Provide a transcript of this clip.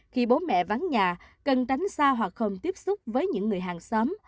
khi bố mẹ vắng nhà cần tránh xa hoặc không tiếp xúc với những người hàng xóm